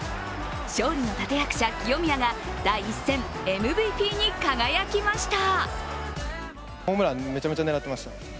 勝利の立役者、清宮が第１戦、ＭＶＰに輝きました。